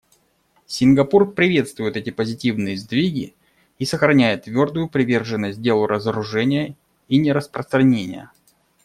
Сингапур приветствует эти позитивные сдвиги и сохраняет твердую приверженность делу разоружения и нераспространения.